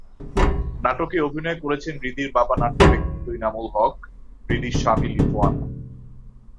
নাটকে অভিনয় করছেন হৃদির বাবা নাট্যব্যক্তিত্ব ইনামুল হক, হৃদির স্বামী লিটু আনাম।